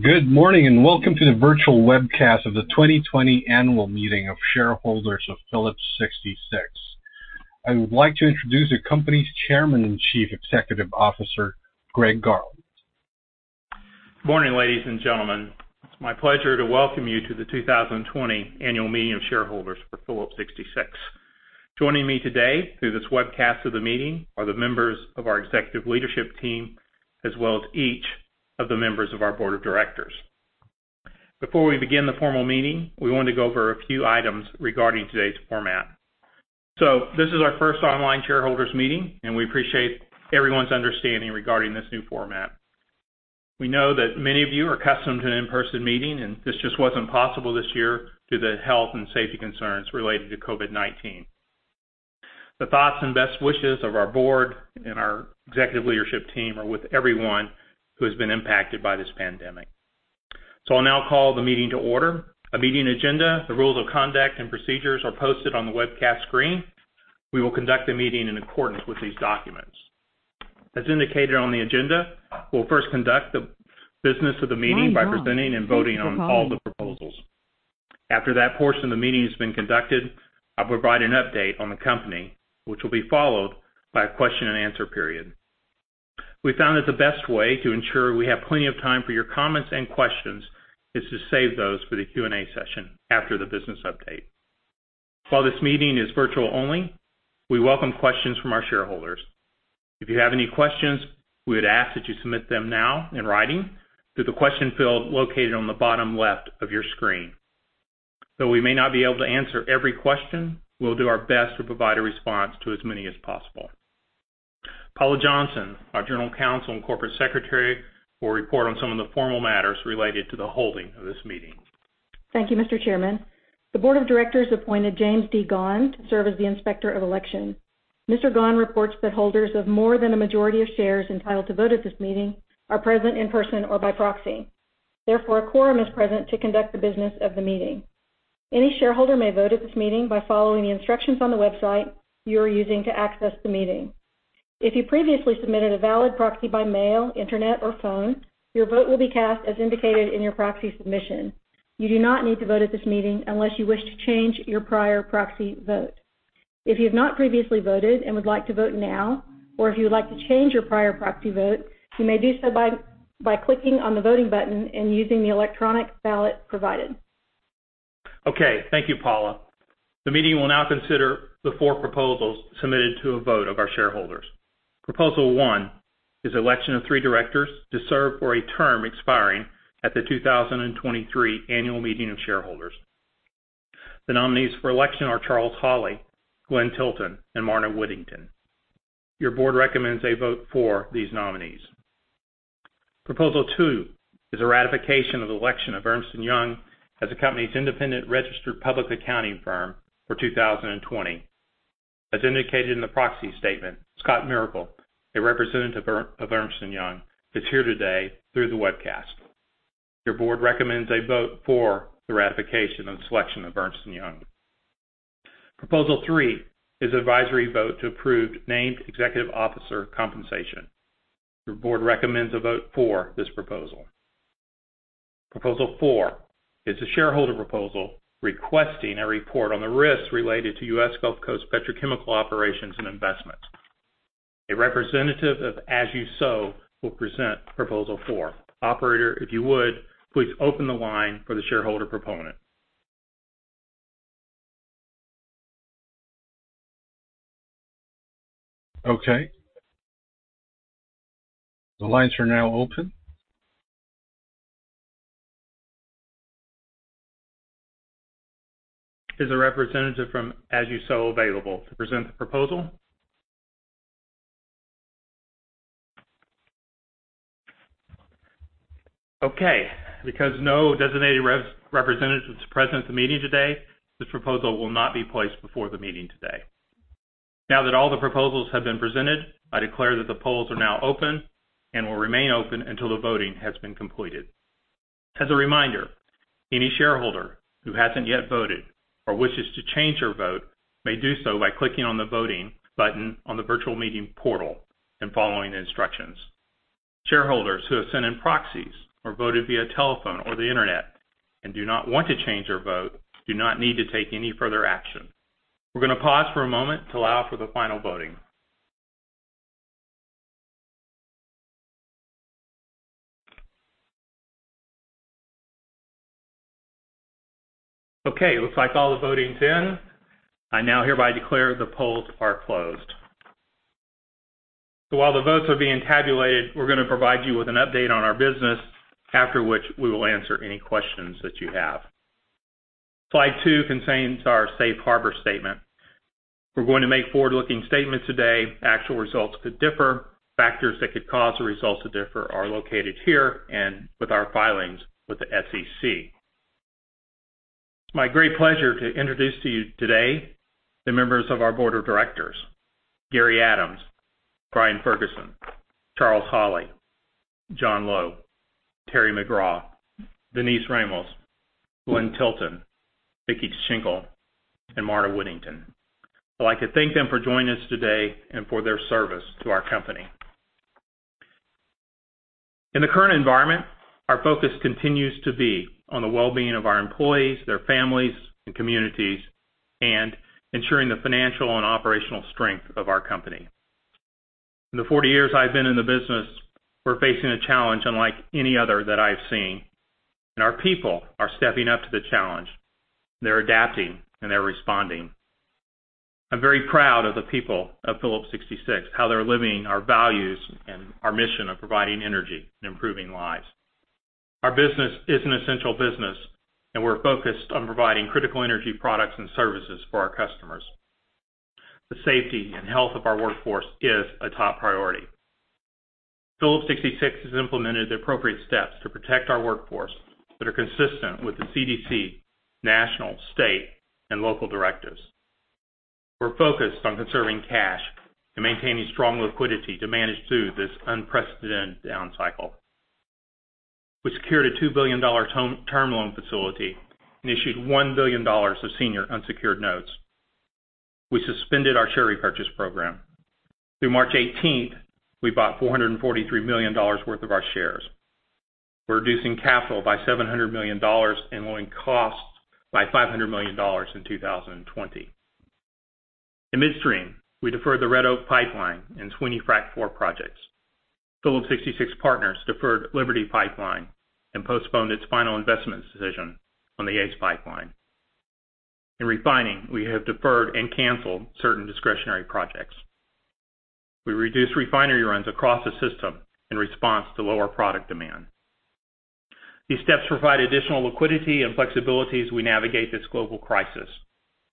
Good morning, welcome to the virtual webcast of the 2020 annual meeting of shareholders of Phillips 66. I would like to introduce the company's Chairman and Chief Executive Officer, Greg Garland. Morning, ladies and gentlemen. It's my pleasure to welcome you to the 2020 annual meeting of shareholders for Phillips 66. Joining me today through this webcast of the meeting are the members of our executive leadership team, as well as each of the members of our board of directors. Before we begin the formal meeting, we want to go over a few items regarding today's format. This is our first online shareholders meeting, and we appreciate everyone's understanding regarding this new format. We know that many of you are accustomed to an in-person meeting, and this just wasn't possible this year due to health and safety concerns related to COVID-19. The thoughts and best wishes of our board and our executive leadership team are with everyone who has been impacted by this pandemic. I'll now call the meeting to order. A meeting agenda, the rules of conduct, and procedures are posted on the webcast screen. We will conduct the meeting in accordance with these documents. As indicated on the agenda, we'll first conduct the business of the meeting by presenting and voting on all the proposals. After that portion of the meeting has been conducted, I'll provide an update on the company, which will be followed by a question and answer period. We found that the best way to ensure we have plenty of time for your comments and questions is to save those for the Q&A session after the business update. While this meeting is virtual only, we welcome questions from our shareholders. If you have any questions, we would ask that you submit them now in writing through the question field located on the bottom left of your screen. Though we may not be able to answer every question, we'll do our best to provide a response to as many as possible. Paula Johnson, our General Counsel and Corporate Secretary, will report on some of the formal matters related to the holding of this meeting. Thank you, Mr. Chairman. The Board of Directors appointed Jim Gaughan to serve as the Inspector of Election. Mr. Gaughan reports that holders of more than a majority of shares entitled to vote at this meeting are present in person or by proxy. A quorum is present to conduct the business of the meeting. Any shareholder may vote at this meeting by following the instructions on the website you are using to access the meeting. If you previously submitted a valid proxy by mail, internet, or phone, your vote will be cast as indicated in your proxy submission. You do not need to vote at this meeting unless you wish to change your prior proxy vote. If you have not previously voted and would like to vote now, or if you would like to change your prior proxy vote, you may do so by clicking on the voting button and using the electronic ballot provided. Okay. Thank you, Paula. The meeting will now consider the four proposals submitted to a vote of our shareholders. Proposal one is election of three directors to serve for a term expiring at the 2023 annual meeting of shareholders. The nominees for election are Charles Holley, Glenn Tilton, and Marna Whittington. Your board recommends a vote for these nominees. Proposal two is a ratification of election of Ernst & Young as the company's independent registered public accounting firm for 2020. As indicated in the proxy statement, Scott Miracle, a representative of Ernst & Young, is here today through the webcast. Your board recommends a vote for the ratification and selection of Ernst & Young. Proposal three is advisory vote to approve named executive officer compensation. Your board recommends a vote for this proposal. Proposal four is a shareholder proposal requesting a report on the risks related to U.S. Gulf Coast petrochemical operations and investments. A representative of As You Sow will present proposal four. Operator, if you would, please open the line for the shareholder proponent. Okay. The lines are now open. Is a representative from As You Sow available to present the proposal? Okay, because no designated representative is present at the meeting today, this proposal will not be placed before the meeting today. Now that all the proposals have been presented, I declare that the polls are now open and will remain open until the voting has been completed. As a reminder, any shareholder who hasn't yet voted or wishes to change their vote may do so by clicking on the voting button on the virtual meeting portal and following the instructions. Shareholders who have sent in proxies or voted via telephone or the internet and do not want to change their vote do not need to take any further action. We're going to pause for a moment to allow for the final voting. Okay, looks like all the voting's in. I now hereby declare the polls are closed. While the votes are being tabulated, we're going to provide you with an update on our business. After which, we will answer any questions that you have. Slide two contains our safe harbor statement. We're going to make forward-looking statements today. Actual results could differ. Factors that could cause the results to differ are located here and with our filings with the SEC. It's my great pleasure to introduce to you today the members of our board of directors, Gary Adams, Brian Ferguson, Charles Holley, John Lowe, Terry McGraw, Denise Ramos, Glenn Tilton, Vicki Tschinkel, and Marna Whittington. I'd like to thank them for joining us today and for their service to our company. In the current environment, our focus continues to be on the well-being of our employees, their families and communities, and ensuring the financial and operational strength of our company. In the 40 years I've been in the business, we're facing a challenge unlike any other that I've seen, and our people are stepping up to the challenge. They're adapting, and they're responding. I'm very proud of the people of Phillips 66, how they're living our values and our mission of providing energy and improving lives. Our business is an essential business, and we're focused on providing critical energy products and services for our customers. The safety and health of our workforce is a top priority. Phillips 66 has implemented the appropriate steps to protect our workforce that are consistent with the CDC, national, state, and local directives. We're focused on conserving cash and maintaining strong liquidity to manage through this unprecedented down cycle. We secured a $2 billion term loan facility and issued $1 billion of senior unsecured notes. We suspended our share repurchase program. Through March 18th, we bought $443 million worth of our shares. We're reducing capital by $700 million and lowering costs by $500 million in 2020. In midstream, we deferred the Red Oak Pipeline and Sweeny Frac IV projects. Phillips 66 Partners deferred Liberty Pipeline and postponed its final investment decision on the ACE Pipeline. In refining, we have deferred and canceled certain discretionary projects. We reduced refinery runs across the system in response to lower product demand. These steps provide additional liquidity and flexibility as we navigate this global crisis.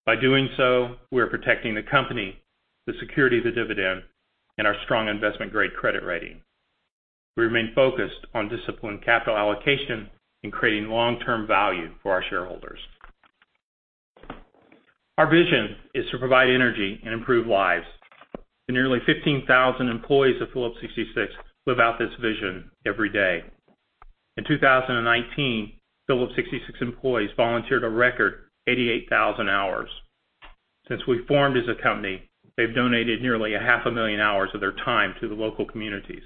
By doing so, we are protecting the company, the security of the dividend, and our strong investment-grade credit rating. We remain focused on disciplined capital allocation and creating long-term value for our shareholders. Our vision is to provide energy and improve lives. The nearly 15,000 employees of Phillips 66 live out this vision every day. In 2019, Phillips 66 employees volunteered a record 88,000 hours. Since we formed as a company, they've donated nearly a half a million hours of their time to the local communities.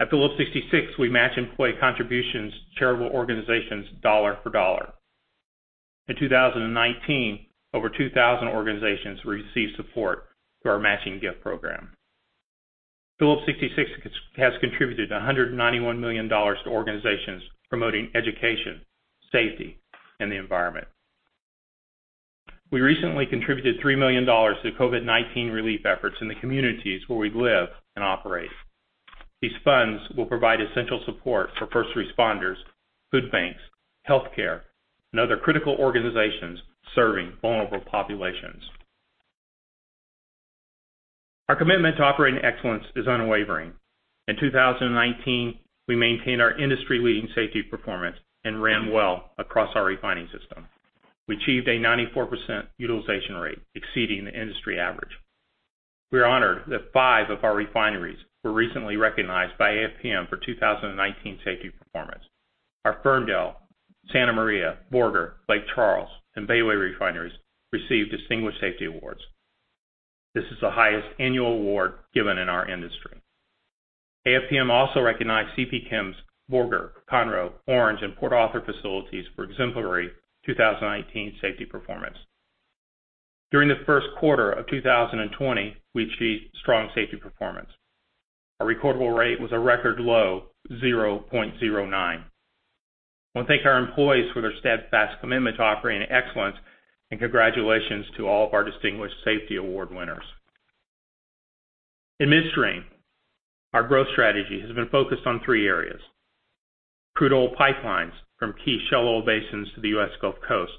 At Phillips 66, we match employee contributions to charitable organizations dollar for dollar. In 2019, over 2,000 organizations received support through our matching gift program. Phillips 66 has contributed $191 million to organizations promoting education, safety, and the environment. We recently contributed $3 million to COVID-19 relief efforts in the communities where we live and operate. These funds will provide essential support for first responders, food banks, healthcare, and other critical organizations serving vulnerable populations. Our commitment to operating excellence is unwavering. In 2019, we maintained our industry-leading safety performance and ran well across our refining system. We achieved a 94% utilization rate exceeding the industry average. We are honored that five of our refineries were recently recognized by AFPM for 2019 safety performance. Our Ferndale, Santa Maria, Borger, Lake Charles, and Bayway refineries received Distinguished Safety Awards. This is the highest annual award given in our industry. AFPM also recognized CPChem's Borger, Conroe, Orange, and Port Arthur facilities for exemplary 2019 safety performance. During the first quarter of 2020, we achieved strong safety performance. Our recordable rate was a record low 0.09. I want to thank our employees for their steadfast commitment to operating excellence, and congratulations to all of our Distinguished Safety Award winners. In midstream, our growth strategy has been focused on three areas: crude oil pipelines from key shale oil basins to the U.S. Gulf Coast,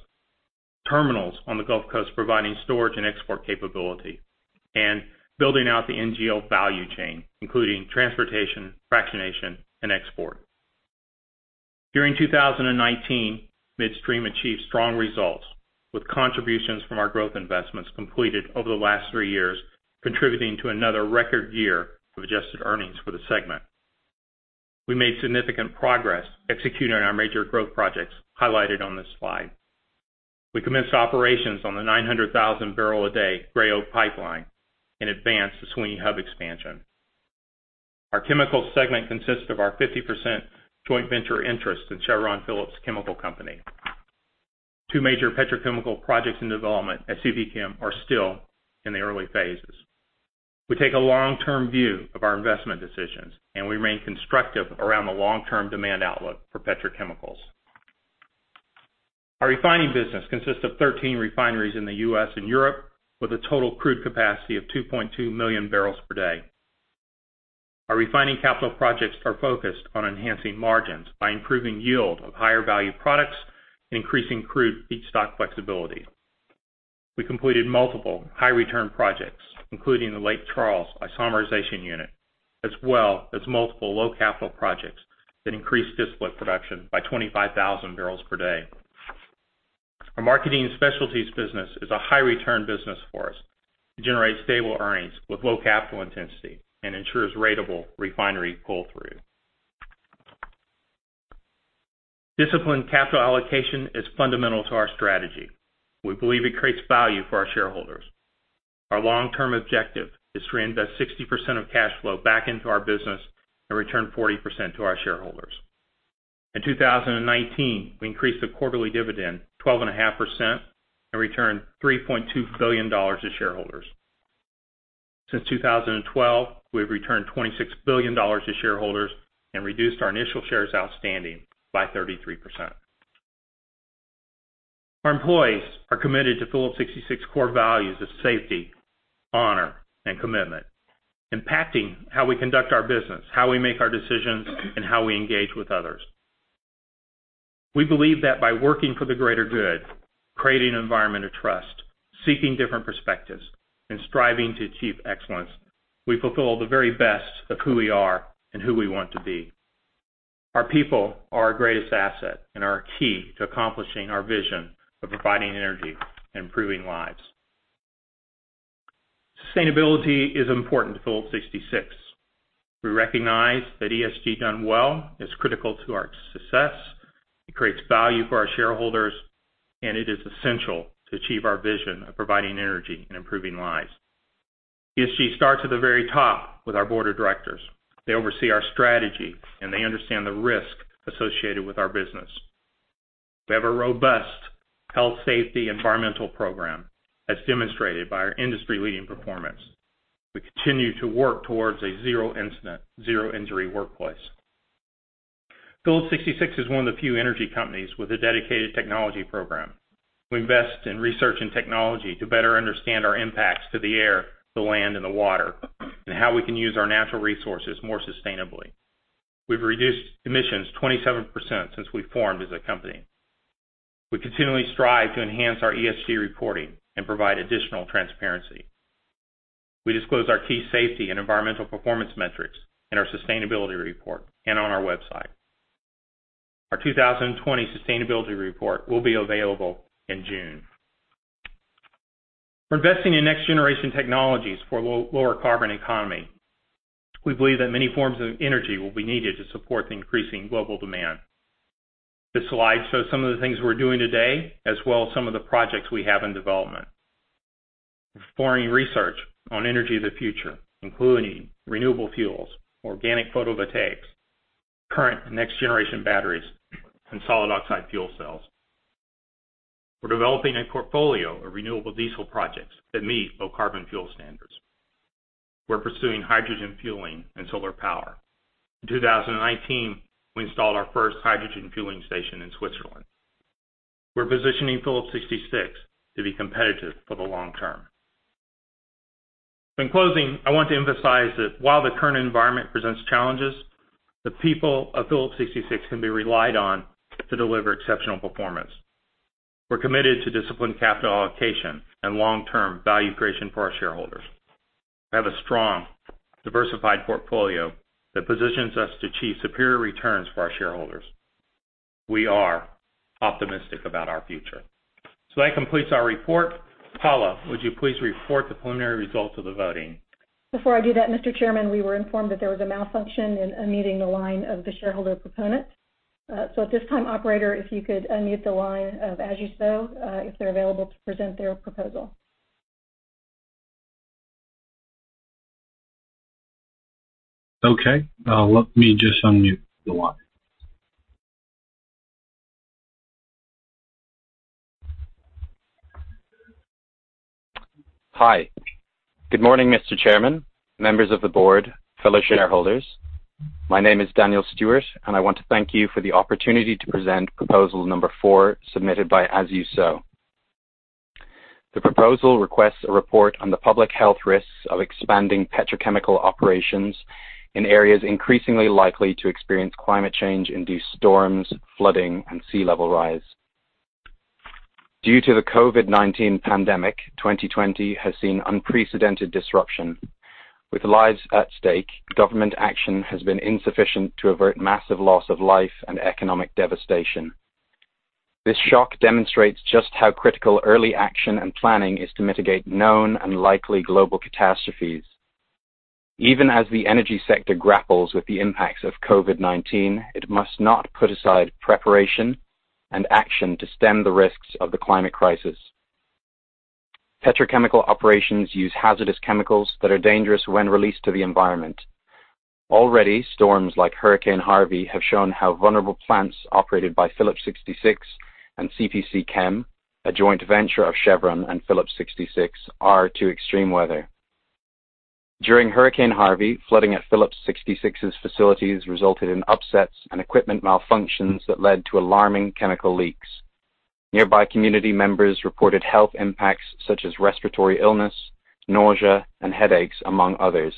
terminals on the Gulf Coast providing storage and export capability, and building out the NGL value chain, including transportation, fractionation, and export. During 2019, Midstream achieved strong results, with contributions from our growth investments completed over the last three years contributing to another record year of adjusted earnings for the Segment. We made significant progress executing on our major growth projects highlighted on this slide. We commenced operations on the 900,000-barrel-a-day Gray Oak Pipeline and advanced the Sweeny Hub expansion. Our Chemicals Segment consists of our 50% joint venture interest in Chevron Phillips Chemical Company. Two major petrochemical projects in development at CP Chem are still in the early phases. We take a long-term view of our investment decisions and remain constructive around the long-term demand outlook for petrochemicals. Our Refining Business consists of 13 refineries in the U.S. and Europe, with a total crude capacity of 2.2 million barrels per day. Our refining capital projects are focused on enhancing margins by improving yield of higher-value products and increasing crude feedstock flexibility. We completed multiple high-return projects, including the Lake Charles isomerization unit, as well as multiple low-capital projects that increased distillate production by 25,000 barrels per day. Our marketing specialties business is a high-return business for us. It generates stable earnings with low capital intensity and ensures ratable refinery pull-through. Disciplined capital allocation is fundamental to our strategy. We believe it creates value for our shareholders. Our long-term objective is to reinvest 60% of cash flow back into our business and return 40% to our shareholders. In 2019, we increased the quarterly dividend 12.5% and returned $3.2 billion to shareholders. Since 2012, we've returned $26 billion to shareholders and reduced our initial shares outstanding by 33%. Our employees are committed to Phillips 66 core values of safety, honor, and commitment, impacting how we conduct our business, how we make our decisions, and how we engage with others. We believe that by working for the greater good, creating an environment of trust, seeking different perspectives, and striving to achieve excellence, we fulfill the very best of who we are and who we want to be. Our people are our greatest asset and are key to accomplishing our vision of providing energy and improving lives. Sustainability is important to Phillips 66. We recognize that ESG done well is critical to our success, it creates value for our shareholders, and it is essential to achieve our vision of providing energy and improving lives. ESG starts at the very top with our board of directors. They oversee our strategy, and they understand the risk associated with our business. We have a robust health, safety, environmental program, as demonstrated by our industry-leading performance. We continue to work towards a zero incident, zero injury workplace. Phillips 66 is one of the few energy companies with a dedicated technology program. We invest in research and technology to better understand our impacts to the air, the land, and the water, and how we can use our natural resources more sustainably. We've reduced emissions 27% since we formed as a company. We continually strive to enhance our ESG reporting and provide additional transparency. We disclose our key safety and environmental performance metrics in our sustainability report and on our website. Our 2020 sustainability report will be available in June. We're investing in next-generation technologies for a lower carbon economy. We believe that many forms of energy will be needed to support the increasing global demand. This slide shows some of the things we're doing today, as well as some of the projects we have in development. We're performing research on energy of the future, including renewable fuels, organic photovoltaics, current next-generation batteries, and solid oxide fuel cells. We're developing a portfolio of renewable diesel projects that meet low-carbon fuel standards. We're pursuing hydrogen fueling and solar power. In 2019, we installed our first hydrogen fueling station in Switzerland. We're positioning Phillips 66 to be competitive for the long term. In closing, I want to emphasize that while the current environment presents challenges, the people of Phillips 66 can be relied on to deliver exceptional performance. We're committed to disciplined capital allocation and long-term value creation for our shareholders. We have a strong, diversified portfolio that positions us to achieve superior returns for our shareholders. We are optimistic about our future. That completes our report. Paula, would you please report the preliminary results of the voting? Before I do that, Mr. Chairman, we were informed that there was a malfunction in unmuting the line of the shareholder proponent. At this time, operator, if you could unmute the line of As You Sow if they're available to present their proposal. Okay. Let me just unmute the line. Hi. Good morning, Mr. Chairman, members of the board, fellow shareholders. My name is Daniel Stewart, and I want to thank you for the opportunity to present proposal number four submitted by As You Sow. The proposal requests a report on the public health risks of expanding petrochemical operations in areas increasingly likely to experience climate change-induced storms, flooding, and sea level rise. Due to the COVID-19 pandemic, 2020 has seen unprecedented disruption. With lives at stake, government action has been insufficient to avert massive loss of life and economic devastation. This shock demonstrates just how critical early action and planning is to mitigate known and likely global catastrophes. Even as the energy sector grapples with the impacts of COVID-19, it must not put aside preparation and action to stem the risks of the climate crisis. Petrochemical operations use hazardous chemicals that are dangerous when released to the environment. Already, storms like Hurricane Harvey have shown how vulnerable plants operated by Phillips 66 and CPChem, a joint venture of Chevron and Phillips 66, are to extreme weather. During Hurricane Harvey, flooding at Phillips 66's facilities resulted in upsets and equipment malfunctions that led to alarming chemical leaks. Nearby community members reported health impacts such as respiratory illness, nausea, and headaches, among others.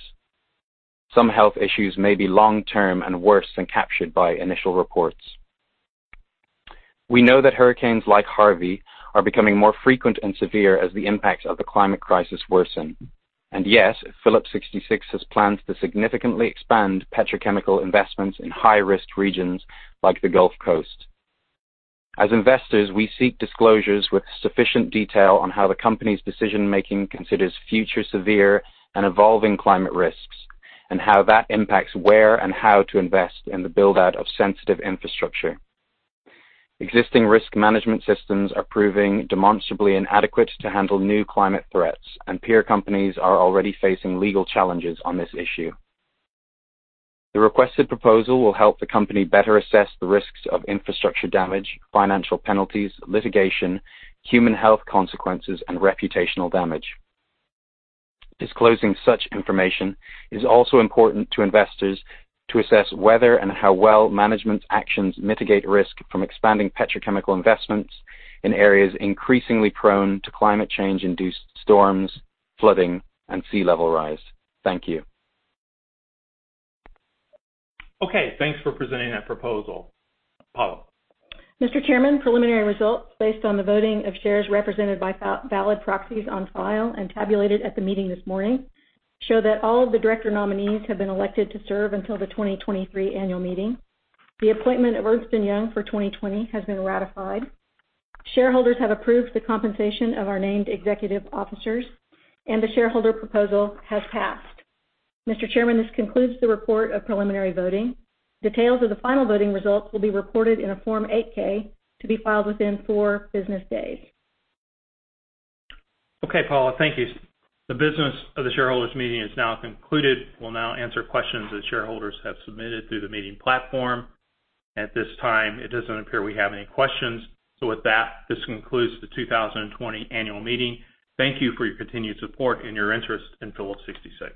Some health issues may be long-term and worse than captured by initial reports. We know that hurricanes like Harvey are becoming more frequent and severe as the impacts of the climate crisis worsen. Yes, Phillips 66 has plans to significantly expand petrochemical investments in high-risk regions like the Gulf Coast. As investors, we seek disclosures with sufficient detail on how the company's decision-making considers future severe and evolving climate risks, and how that impacts where and how to invest in the build-out of sensitive infrastructure. Existing risk management systems are proving demonstrably inadequate to handle new climate threats, and peer companies are already facing legal challenges on this issue. The requested proposal will help the company better assess the risks of infrastructure damage, financial penalties, litigation, human health consequences, and reputational damage. Disclosing such information is also important to investors to assess whether and how well management's actions mitigate risk from expanding petrochemical investments in areas increasingly prone to climate change-induced storms, flooding, and sea level rise. Thank you. Okay. Thanks for presenting that proposal. Paula. Mr. Chairman, preliminary results based on the voting of shares represented by valid proxies on file and tabulated at the meeting this morning show that all of the director nominees have been elected to serve until the 2023 annual meeting. The appointment of Ernst & Young for 2020 has been ratified. Shareholders have approved the compensation of our named executive officers, and the shareholder proposal has passed. Mr. Chairman, this concludes the report of preliminary voting. Details of the final voting results will be reported in a Form 8-K to be filed within four business days. Okay, Paula. Thank you. The business of the shareholders' meeting is now concluded. We'll now answer questions that shareholders have submitted through the meeting platform. At this time, it doesn't appear we have any questions. With that, this concludes the 2020 annual meeting. Thank you for your continued support and your interest in Phillips 66.